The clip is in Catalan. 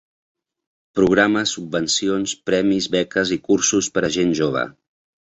Programes, subvencions, premis, beques i cursos per a gent jove.